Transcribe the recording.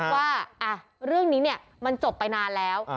ว่าเรื่องนี้มันจบไปนานแล้ว